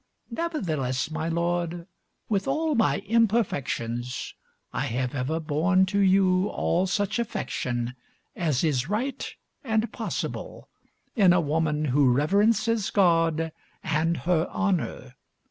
Nevertheless, my lord, with all my imperfections, I have ever borne to you all such affection as is right and possible in a woman who reverences God and her honour.